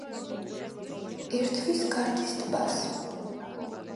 ერთვის გარდის ტბას.